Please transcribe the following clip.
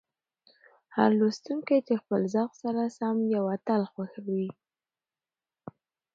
هر لوستونکی د خپل ذوق سره سم یو اتل خوښوي.